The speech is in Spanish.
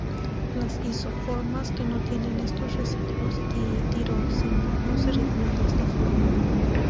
Las isoformas que no tienen estos residuos tirosina no se regulan de esta forma.